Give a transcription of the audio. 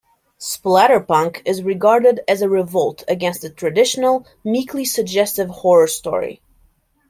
Splatterpunk is regarded as a revolt against the "traditional, meekly suggestive horror story".